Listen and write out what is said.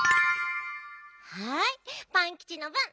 はいパンキチのぶん！